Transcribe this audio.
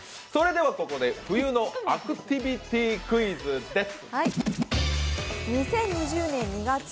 それではここで冬のアクティビティークイズです。